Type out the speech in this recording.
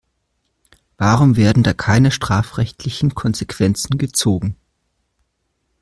Warum werden da keine strafrechtlichen Konsequenzen gezogen?